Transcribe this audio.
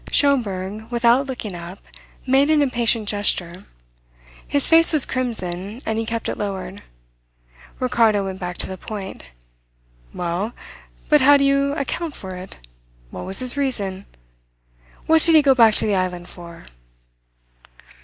Schomberg, without looking up, made an impatient gesture. His face was crimson, and he kept it lowered. Ricardo went back to the point. "Well, but how do you account for it? What was his reason? What did he go back to the island for?"